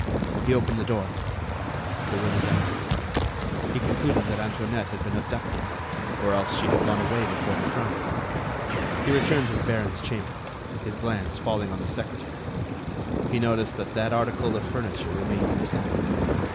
He opened the door; the room was empty. He concluded that Antoinette had been abducted, or else she had gone away before the crime. He returned to the baron's chamber, his glance falling on the secretary, he noticed that that article of furniture remained intact.